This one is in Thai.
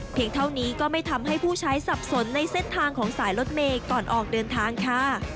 เท่านี้ก็ไม่ทำให้ผู้ใช้สับสนในเส้นทางของสายรถเมย์ก่อนออกเดินทางค่ะ